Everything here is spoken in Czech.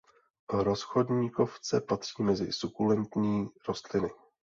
Rozchodníkovce patří mezi sukulentní rostliny.